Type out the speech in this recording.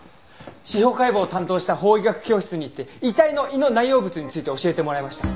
司法解剖を担当した法医学教室に行って遺体の胃の内容物について教えてもらいました。